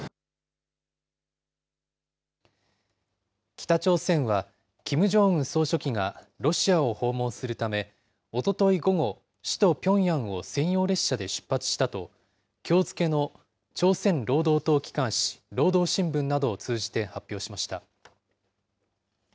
北朝鮮は、キム・ジョンウン総書記が、ロシアを訪問するため、おととい午後、首都ピョンヤンを専用列車で出発したと、きょう付けの朝鮮労働党機関紙、労働新聞などを通じて発表しました。